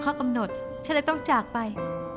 ท่องกับข้อกำหนดฉันเลยต้องจากไป